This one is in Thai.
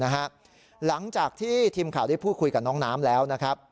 หลังจากที่ทีมข่าวได้พูดคุยกับน้องน้ำแล้วนะครับ